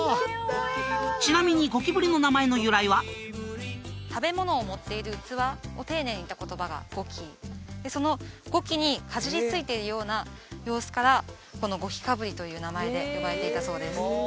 ちなみにゴキブリの名前の由来は食べ物を盛っている器を丁寧に言った言葉が御器その御器にかじりついているような様子から御器齧という名前で呼ばれていたそうです